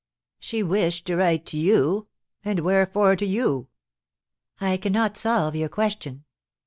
"She wished to write to you; and wherefore to you?" "I cannot solve your question."